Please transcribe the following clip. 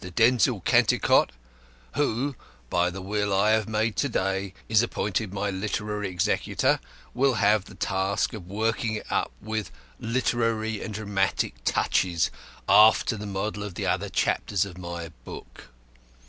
Denzil Cantercot, who, by the will I have made to day, is appointed my literary executor, will have the task of working it up with literary and dramatic touches after the model of the other chapters of my book.